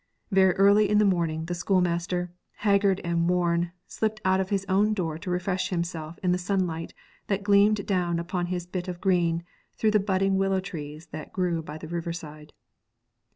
Very early in the morning the schoolmaster, haggard and worn, slipped out of his own door to refresh himself in the sunlight that gleamed down upon his bit of green through the budding willow trees that grew by the river side.